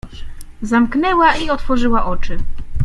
Zamknęła i otworzyła oczy.